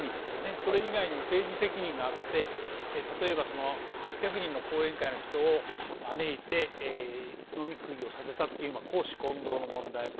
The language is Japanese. それ以外にも政治責任があって例えば８００人の後援会の人を招いて飲み食いをさせたという公私混同の問題。